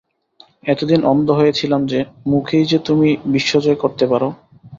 এতদিন অন্ধ হয়ে ছিলাম যে, মুখেই যে তুমি বিশ্বজয় করতে পারো।